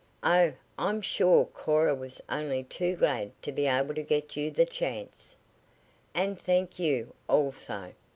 "Oh, I'm sure Cora was only too glad to be able to get you the chance." "And thank you, also.